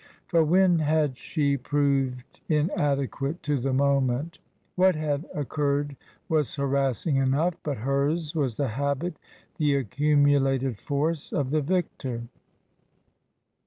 For when had she proved inadequate to the moment? What had occurred was harassing enough, but hers was the habit, the accumulated force, of the victor.